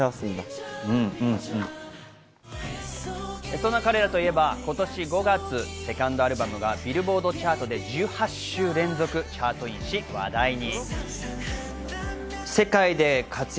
そんな彼らといえば今年５月、セカンドアルバムがビルボードチャートで１８週連続チャートインし、話題に。